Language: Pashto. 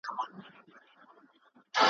يوه لاره د يوسف عليه السلام وژل دي.